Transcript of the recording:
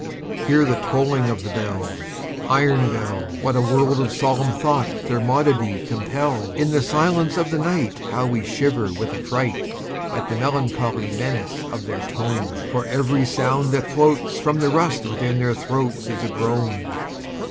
Hear the tolling of the bells, Iron bells! What a world of solemn thought their monody compels! In the silence of the nightHow we shiver with affrightAt the melancholy menace of their tone! For every sound that floatsFrom the rust within their throatsIs a groan.